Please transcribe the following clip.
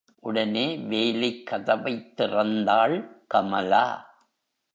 உடனே வேலிக் கதவைத் திறந்தாள், கமலா.